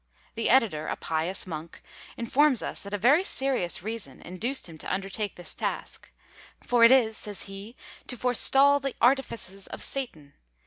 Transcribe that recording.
The editor, a pious monk, informs us that a very serious reason induced him to undertake this task: for it is, says he, to forestal the artifices of Satan.